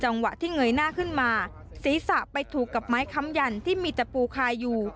จังหวะที่เงยหน้าขึ้นมาศีรษะไปถูกกับไม้ค้ำยันที่มีตะปูคาอยู่